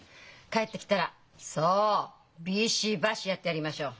帰ってきたらそうビシバシやってやりましょう！